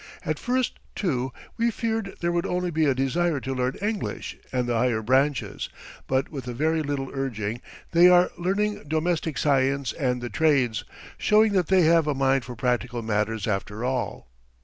At first, too, we feared there would only be a desire to learn English and the higher branches, but with a very little urging they are learning domestic science and the trades, showing that they have a mind for practical matters after all."